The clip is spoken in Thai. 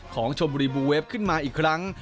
ชมบุรีบูเวฟขึ้นมาอีกครั้ง